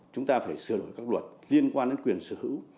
chúng ta phải sửa đổi các luật liên quan đến quyền sở hữu